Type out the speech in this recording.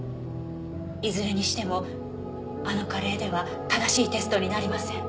いずれにしてもあのカレーでは正しいテストになりません。